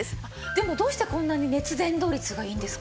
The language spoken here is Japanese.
でもどうしてこんなに熱伝導率がいいんですか？